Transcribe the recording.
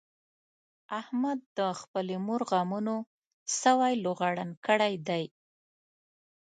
احمد د خپلې مور غمونو سوی لوغړن کړی دی.